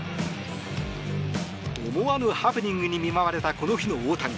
思わぬハプニングに見舞われたこの日の大谷。